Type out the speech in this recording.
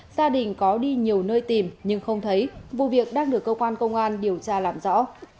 gia đình có đi nhiều nơi tìm nhưng không thấy vụ việc đang được cơ quan công an điều tra làm rõ